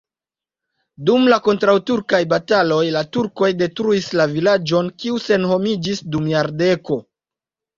Dum la kontraŭturkaj bataladoj la turkoj detruis la vilaĝon, kiu senhomiĝis dum jardeko.